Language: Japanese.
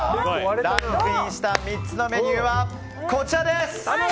ランクインした３つのメニューはこちらです！